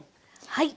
はい。